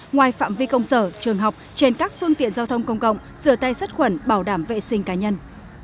ngoài phạm vi công sở trường học trên các phương tiện giao thông công cộng sửa tay sát khuẩn bảo đảm vệ sinh cá nhân